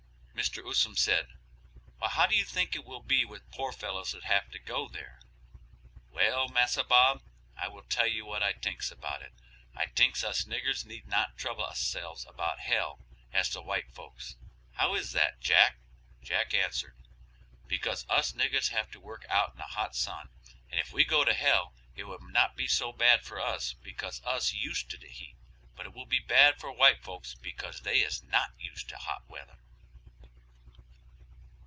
Mr. Usom said, "Well, how do you think it will be with poor fellows that have to go there?" "Well, Massa Bob, I will tell you what I tinks about it, I tinks us niggers need not trouble usselves about hell, as the white folks." "How is that, Jack?" Jack answered, "Because us niggers have to work out in the hot sun, and if we go to hell it would not be so bad for us because us used to heat, but it will be bad for white folks because they is not used to hot weather."